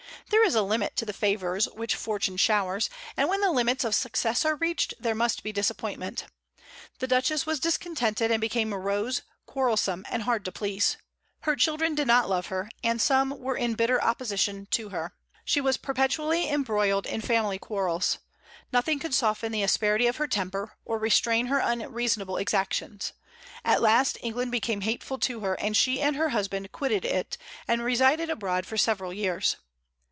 There is a limit to the favors which fortune showers; and when the limits of success are reached, there must be disappointment. The Duchess was discontented, and became morose, quarrelsome, and hard to please. Her children did not love her, and some were in bitter opposition to her. She was perpetually embroiled in family quarrels. Nothing could soften the asperity of her temper, or restrain her unreasonable exactions. At last England became hateful to her, and she and her husband quitted it, and resided abroad for several years.